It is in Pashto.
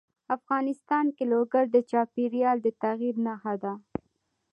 افغانستان کې لوگر د چاپېریال د تغیر نښه ده.